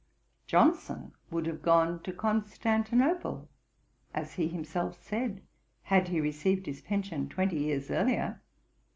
Johnson would have gone to Constantinople, as he himself said, had he received his pension twenty years earlier.